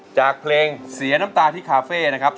จากเพลงเสียน้ำตาที่คาเฟ่นะครับ